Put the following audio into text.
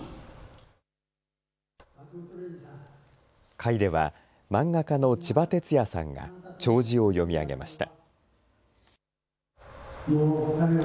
会では漫画家のちばてつやさんが弔辞を読み上げました。